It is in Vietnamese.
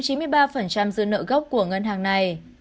chiếm chín mươi ba dư nợ gốc của ngân hàng này